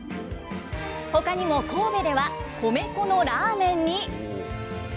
ほかにも神戸では米粉のラーメンに。